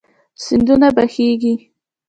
سيندونه بهيږي